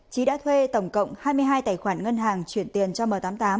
trí đã thuê tổng cộng hai mươi hai tài khoản ngân hàng chuyển tiền cho m tám mươi tám